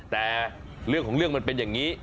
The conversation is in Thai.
แต่เรื่องของเรื่องมันเป็นอย่างนี้